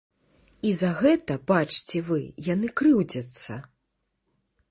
І за гэта, бачце вы, яны крыўдзяцца.